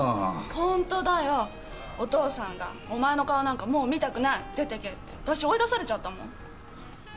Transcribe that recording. ホントだよお父さんが「お前の顔なんか見たくない出てけ」って私追い出されちゃったんだもん。